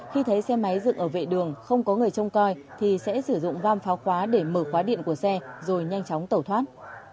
khi thấy xe máy dựng ở vệ đường không có người trông coi thì sẽ sử dụng vam pháo khóa để mở khóa điện của xe rồi nhanh chóng tẩu thoát